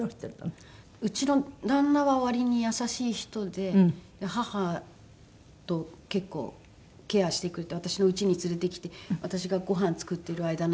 うちの旦那は割に優しい人で母と結構ケアしてくれて私のうちに連れてきて私がごはん作ってる間なんかも相手してくれて。